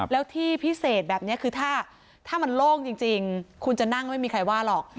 แล้วที่พิเศษแบบนี้คือถ้ามันโล่งจริงคุณจะนั่งไม่มีใครว่าหรอก